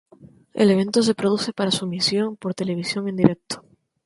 El evento se produce para su emisión por televisión en directo.